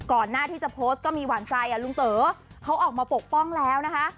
หน้าที่จะโพสต์ก็มีหวานใจลุงเต๋อเขาออกมาปกป้องแล้วนะคะ